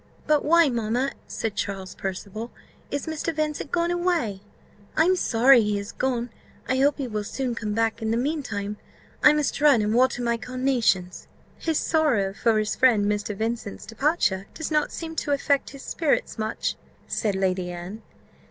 "But why, mamma," said Charles Percival, "is Mr. Vincent gone away? I am sorry he is gone; I hope he will soon come back. In the mean time, I must run and water my carnations." "His sorrow for his friend Mr. Vincent's departure does not seem to affect his spirits much," said Lady Anne.